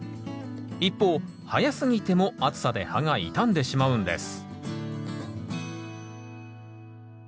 一方早すぎても暑さで葉が傷んでしまうんです